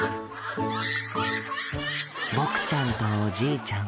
ボクちゃんとおじいちゃん